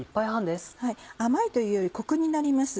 甘いというよりコクになります。